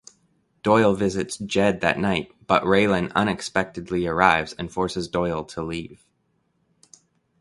Doyle visits Jed that night but Raylan unexpectedly arrives and forces Doyle to leave.